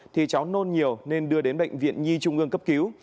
thì cháu nôn nhiều nên đưa đến bệnh viện nhi trung ương cấp cứu